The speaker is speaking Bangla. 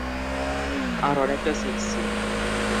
আর অনেকটা সেক্সি।